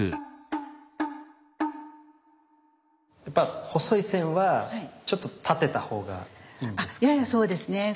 やっぱ細い線はちょっと立てた方がいいんですか？